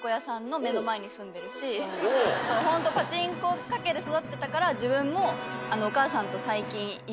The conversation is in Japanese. ホントパチンコ家系で育ってたから自分も最近。